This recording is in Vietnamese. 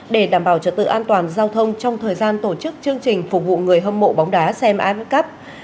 để đảm bảo trật tự an toàn giao thông trong thời gian tổ chức chương trình phục vụ người hâm mộ bóng đá xem if cup